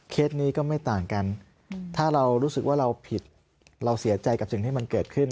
นี้ก็ไม่ต่างกันถ้าเรารู้สึกว่าเราผิดเราเสียใจกับสิ่งที่มันเกิดขึ้น